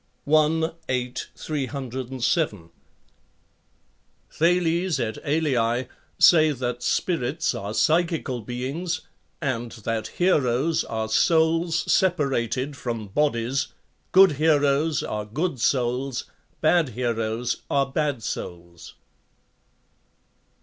8; 307. Thales et al. say that spirits are psychical beings; and that heroes are souls separated from bodies, good heroes are good souls, bad heroes are bad souls.